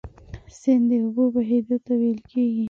سیند د اوبو بهیدلو ته ویل کیږي.